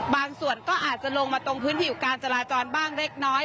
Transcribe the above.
บางส่วนก็อาจจะลงมาตรงพื้นผิวการจราจรบ้างเล็กน้อย